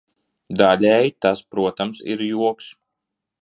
Daļēji tas, protams, ir joks.